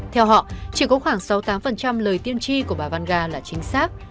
theo họ chỉ có khoảng sáu mươi tám lời tiên tri của bà văngar là chính xác